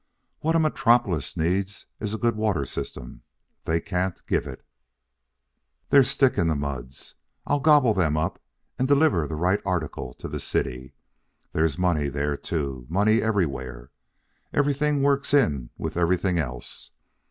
What a metropolis needs is a good water system. They can't give it. They're stick in the muds. I'll gobble them up and deliver the right article to the city. There's money there, too money everywhere. Everything works in with everything else.